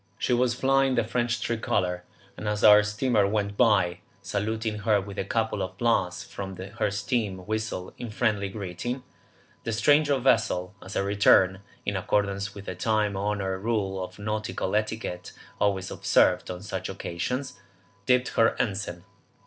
She was flying the French Tricolor, and as our steamer went by, saluting her with a couple of blasts from her steam whistle in friendly greeting, the stranger vessel as a return, in accordance with the time honoured rule of nautical etiquette always observed on such occasions, dipped her ensign.